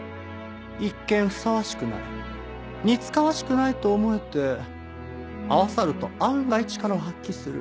一見ふさわしくない似つかわしくないと思えて合わさると案外力を発揮する。